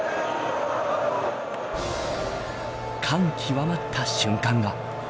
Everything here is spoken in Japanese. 感極まった瞬間が。